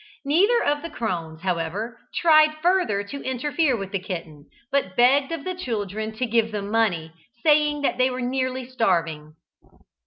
Neither of the crones, however, tried further to interfere with the kitten, but begged of the children to give them money, saying that they were nearly starving.